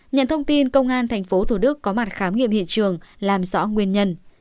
nhận thông tin công an tp thủ đức có mặt khám nghiệm hiện trường làm rõ nguyên nhân